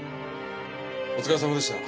お疲れさまでした。